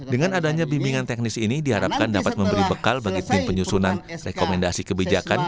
dengan adanya bimbingan teknis ini diharapkan dapat memberi bekal bagi tim penyusunan rekomendasi kebijakan